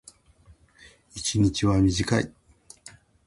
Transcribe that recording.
一日は短い。